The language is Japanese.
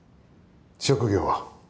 ・職業は？